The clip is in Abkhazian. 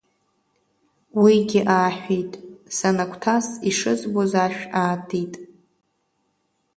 Уигьы ааҳәит, санагәҭас, ишызбоз ашә аатит.